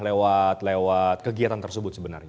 lewat kegiatan tersebut sebenarnya